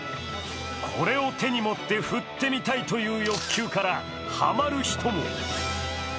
これを手に持って振ってみたいという欲求からハマる人も。